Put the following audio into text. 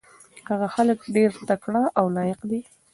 هغه هلک ډېر تکړه او لایق دی.